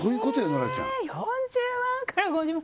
ノラちゃんえー４０万から５０万